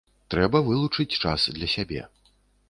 Трэба вылучыць час для сябе.